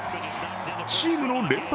チームの連敗